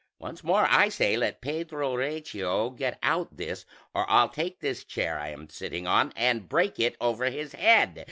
Once more I say, let Pedro Recio get out this, or I'll take this chair I am sitting on and break it over his head.